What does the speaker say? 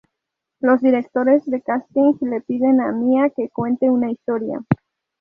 Los directores de casting le piden a Mia que cuente una historia.